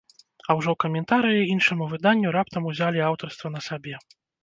А ўжо ў каментарыі іншаму выданню раптам узялі аўтарства на сабе.